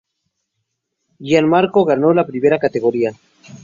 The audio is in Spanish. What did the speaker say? Gian Marco ganó la primera categoría.